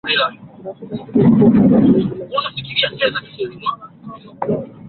mti mrefu zaidi kwenye msitu wa mvua